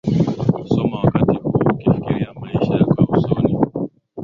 Soma wakati huu ukifikiria maisha yako ya usoni.